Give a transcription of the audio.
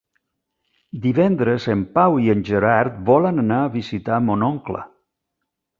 Divendres en Pau i en Gerard volen anar a visitar mon oncle.